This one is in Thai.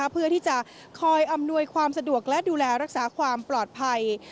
เพื่อที่จะคอยอำนวยความสะดวกและดูแลรักษาความปลอดภัย